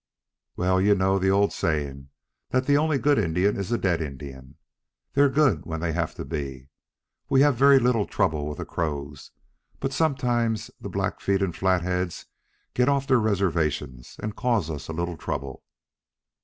"Well, you know the old saying that 'the only good Indian is a dead Indian.' They're good when they have to be. We have very little trouble with the Crows, but sometimes the Black feet and Flat Heads get off their reservations and cause us a little trouble."